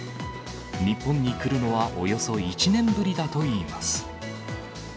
日本に来るのはおよそ１年ぶりだといいます。